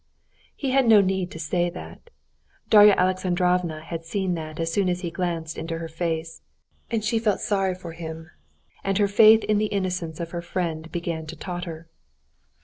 He had no need to say that. Darya Alexandrovna had seen that as soon as he glanced into her face; and she felt sorry for him, and her faith in the innocence of her friend began to totter.